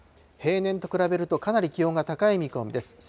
平年と比べるとかなり気温が高い見込みです。